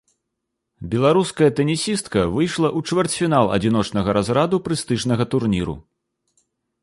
Беларуская тэнісістка выйшла ў чвэрцьфінал адзіночнага разраду прэстыжнага турніру.